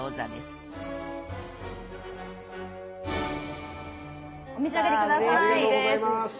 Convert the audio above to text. ありがとうございます。